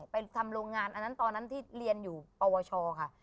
ไปทำโรงงานอันนั้นตอนนั้นที่เรียนอยู่ปวชค่ะ